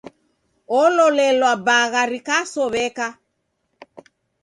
Ololelwa bagha rikasow'eka.